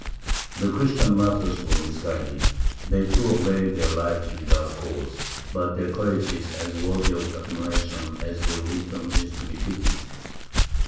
The Christian martyrs were misguided, they threw away their lives without cause; but their courage is as worthy of admiration as their wisdom is to be pitied.